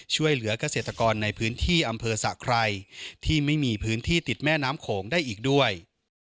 ช่วยเหลือกเกษตรกรในพื้นที่อำเภอสะไครที่ไม่มีพื้นที่ติดแม่น้ำโขงได้อีกด้วย